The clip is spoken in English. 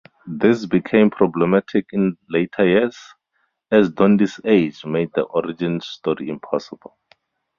This became problematic in later years, as Dondi's age made the origin story impossible.